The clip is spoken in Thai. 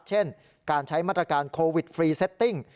เช่นการใช้มาตรการโควิดฟรีเซตติ้ง